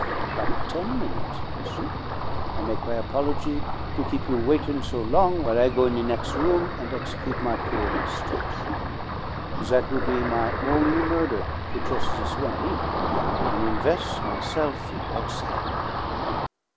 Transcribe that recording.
But ten minute', monsieur. I make my apology to keep you waitin' so long while I go in the nex' room and execute my poor mustachio that will be my only murder for jus' this one evening and inves' myself in white satin.